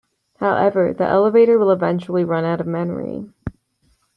However, the elevator will eventually run out of memory.